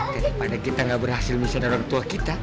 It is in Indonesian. daripada kita gak berhasil bisa dengan betua kita